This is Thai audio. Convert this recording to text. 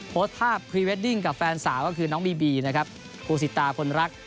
โพสต์ภาพพรีเวดดิ้งกับแฟนสาวก็คือน้องบีบีนะครับครูสิตาพลรัก